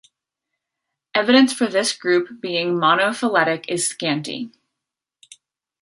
Evidence for this group being monophyletic is scanty.